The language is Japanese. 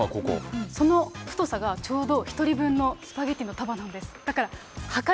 その太さがちょうど１人分のスパゲッティの量なんです。